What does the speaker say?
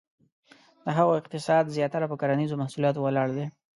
د هغو اقتصاد زیاتره په کرنیزه محصولاتو ولاړ دی.